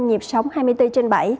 nhịp sống hai mươi bốn trên bảy